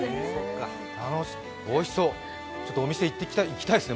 おいしそう、お店、行きたいですね。